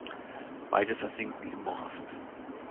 Beide versinken im Morast.